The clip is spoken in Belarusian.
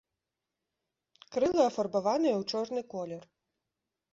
Крылы афарбаваныя ў чорны колер.